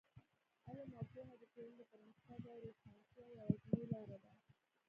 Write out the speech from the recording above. علم او پوهه د ټولنې د پرمختګ او روښانتیا یوازینۍ لاره ده.